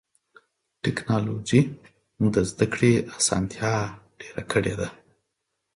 ټکنالوجي د زدهکړې اسانتیا ډېره کړې ده.